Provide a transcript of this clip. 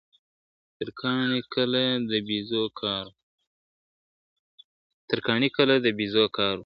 تر کاڼي کله د بیزو کار وو ..